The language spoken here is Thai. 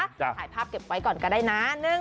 ถ่ายภาพเก็บไว้ก่อนก็ได้นะ